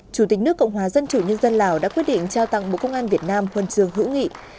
chủ tịch nước cộng hòa dân chủ nhân dân lào đã quyết định trao tặng bộ công an việt nam huân trường hữu nghị